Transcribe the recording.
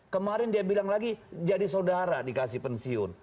kemarin dia bilang lagi jadi saudara dikasih pensiun